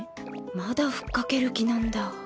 まだ吹っかける気なんだ。